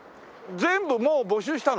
全部もう募集したの？